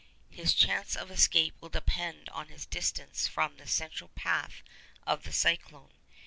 His chance of escape will depend on his distance from the central path of the cyclone.